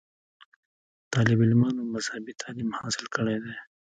طالب علمانومذهبي تعليم حاصل کړے دے